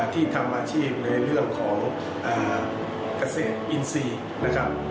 ที่ทำอาชีพในเรื่องของเกษตรอินทรีย์นะครับ